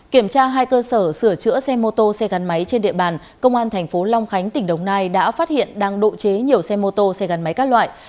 kiểm tra hai cơ sở sửa chữa xe mô tô xe gắn máy trên địa bàn công an thành phố long khánh tỉnh đồng nai đã phát hiện đang độ chế nhiều xe mô tô xe gắn máy các loại